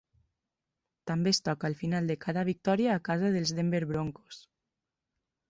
També es toca al final de cada victòria a casa dels Denver Broncos.